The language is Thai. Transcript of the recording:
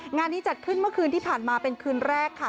งานนี้จัดขึ้นเมื่อคืนที่ผ่านมาเป็นคืนแรกค่ะ